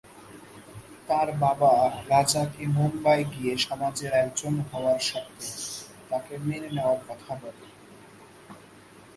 তার বাবা রাজাকে মুম্বাই গিয়ে সমাজের একজন হওয়ার শর্তে তাকে মেনে নেওয়ার কথা বলে।